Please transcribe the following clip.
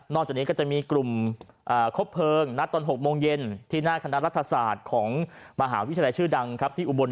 จากนี้ก็จะมีกลุ่มคบเพลิงนัดตอน๖โมงเย็นที่หน้าคณะรัฐศาสตร์ของมหาวิทยาลัยชื่อดังครับที่อุบล